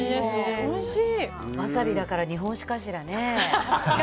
わさびだから日本酒かしらね。